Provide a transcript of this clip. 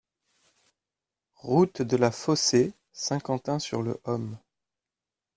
Route de la Fossé, Saint-Quentin-sur-le-Homme